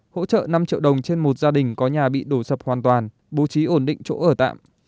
hỗ trợ năm triệu đồng trên một gia đình có nhà bị đổ sập hoàn toàn bố trí ổn định chỗ ở tạm